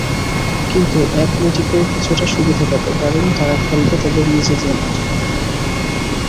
কিন্তু অ্যাটলেটিকো কিছুটা সুবিধা পাবে, কারণ তারা খেলবে তাদের নিজেদের মাঠে।